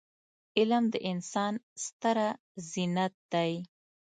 علم د انسان ستره زينت دی.